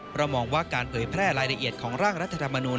เพราะมองว่าการเผยแพร่รายละเอียดของร่างรัฐธรรมนูล